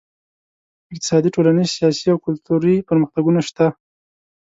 اقتصادي، ټولنیز، سیاسي او کلتوري پرمختګونه شته.